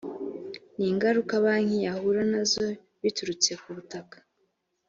n ingaruka banki yahura nazo biturutse ku butaka